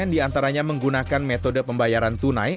tujuh puluh tiga diantaranya menggunakan metode pembayaran tunai